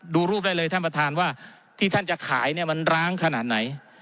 ดูรูปได้เลยท่านประธานว่าที่ท่านจะขายเนี่ยมันร้างขนาดไหน